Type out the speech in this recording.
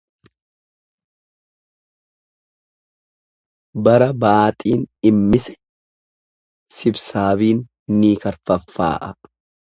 Bara baaxiin dhimmise sibsaabiin ni karfaffaa'a.